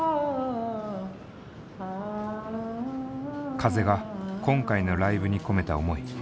風が今回のライブに込めた思い。